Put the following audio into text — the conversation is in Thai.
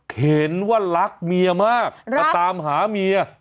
เห็นว่ารักเมียมากมาตามหาเมีย